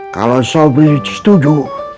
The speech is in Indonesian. kalau sobri setuju